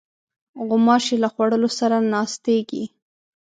غوماشې له خوړو سره ناستېږي.